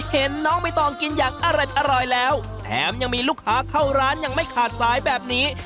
เห็นน้องใบตองกินอย่างอร่อยแล้วแถมยังมีลูกค้าเข้าร้านยังไม่ขาดสายแบบนี้